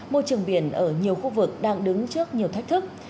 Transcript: môi trường biển ở nhiều khu vực đang đứng trước nhiều thách thức